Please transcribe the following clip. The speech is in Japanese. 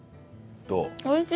どう？